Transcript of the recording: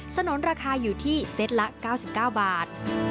ถนนราคาอยู่ที่เซตละ๙๙บาท